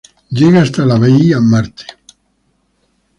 Llega hasta la Bahía Marte.